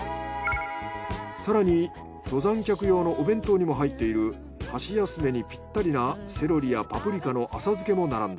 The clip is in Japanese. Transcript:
更に登山客用のお弁当にも入っている箸休めにぴったりなセロリやパプリカの浅漬けも並んだ。